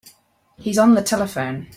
He's on the telephone.